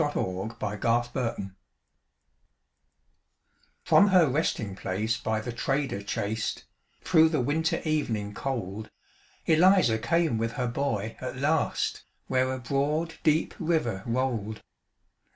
ELIZA CROSSING THE RIVER From her resting place by the trader chased, Through the winter evening cold, Eliza came with her boy at last, Where a broad deep river rolled.